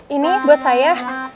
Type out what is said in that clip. ini buat saya